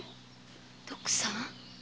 徳さん？